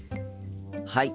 はい。